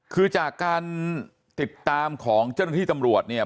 คือจากการติดตามของเจ้าหน้าที่ตำรวจเนี่ย